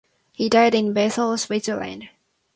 He died in Basel, Switzerland.